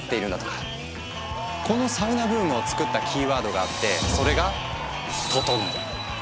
このサウナブームをつくったキーワードがあってそれが「ととのう」。